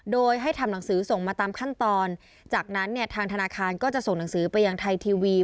โดยให้ทำหนังสือส่งมาตามขั้นตอนจากนั้นเนี่ยทางธนาคารก็จะส่งหนังสือไปยังไทยทีวี